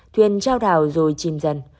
thuyền trao đảo rồi chìm dần